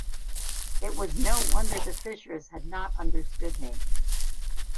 It was no wonder the fishers had not understood me.